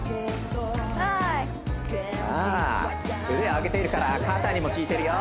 はい腕を上げているから肩にもきいてるよ